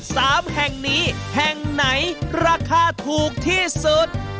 สามแห่งนี้แห่งไหนราคาถูกที่สุด